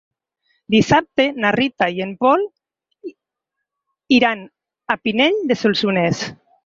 Dissabte na Rita i en Pol iran a Pinell de Solsonès.